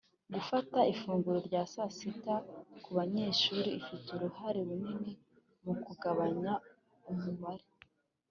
gutanga ifunguro rya saa sita ku banyeshuri ifite uruhare runini mu kugabanya umubare